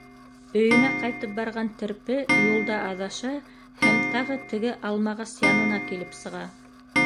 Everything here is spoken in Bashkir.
Өйөнә ҡайтып барған терпе юлда аҙаша һәм тағы теге Алмағас янына килеп сыға.